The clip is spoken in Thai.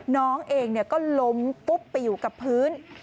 น้องเองก็ล้มปุ๊บไปอยู่กับพื้น